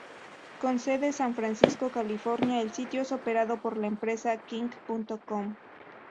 Con sede San Francisco, California, el sitio es operado por la empresa Kink.com.